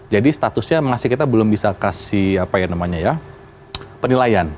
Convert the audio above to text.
jadi statusnya mengasih kita belum bisa kasih apa ya namanya ya penilaian